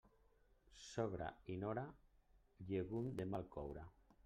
Sogra i nora, llegum de mal coure.